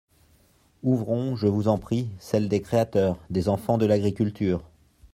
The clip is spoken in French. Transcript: Ouvrons, je vous en prie, celle des créateurs, des enfants de l'agriculture.